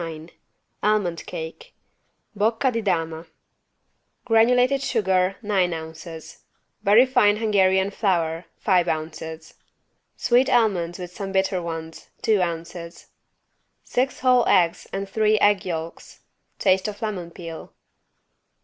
189 ALMOND CAKE (Bocca di dama) Granulated sugar, nine ounces, Very fine Hungarian flour, five ounces, Sweet almonds with some bitter ones, two ounces, Six whole eggs and three egg yolks, Taste of lemon peel.